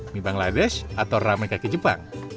mie bangladesh atau rame kakek jepang